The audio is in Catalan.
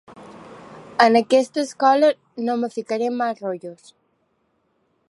En aquesta escola no em ficaré en mals rotllos.